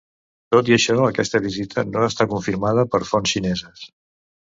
Tot i això, aquesta visita no està confirmada per fonts xineses.